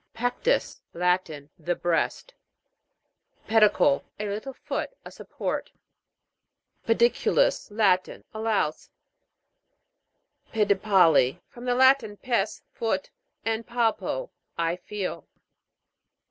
PEC'TUS. Latin. The breast. PED'ICLE. A little foot : a support. PEDI'CULUS.: Latin. A louse. PEDIPAL'PI. From the Latin, pes, foot, and palpo, I feel.